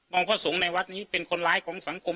พระสงฆ์ในวัดนี้เป็นคนร้ายของสังคม